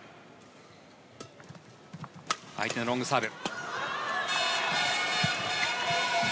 相手のロングサーブ。